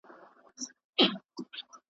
ویل ورکه یم په کورکي د رنګونو .